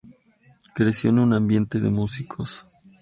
Creció en un ambiente de músicos.